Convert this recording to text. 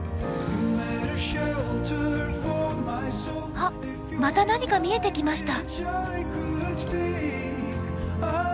あっまた何か見えてきました。